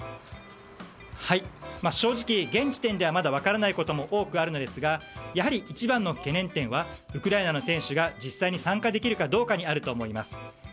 正直、現時点では分からないことも多くあるのですがやはり一番の懸念点はウクライナの選手が実際に参加できるかどうかにあると思います。